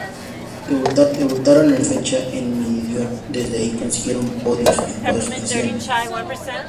Debutaron en la sexta fecha en Mid-Ohio, desde ahí consiguieron podios en cuatro ocasiones.